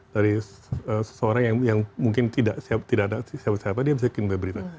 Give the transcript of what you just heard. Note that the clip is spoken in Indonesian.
dari seseorang yang mungkin tidak ada siapa siapa dia bisa kim ke berita